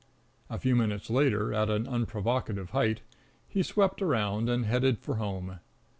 A few minutes later, at an unprovocative height, he swept around and headed for home.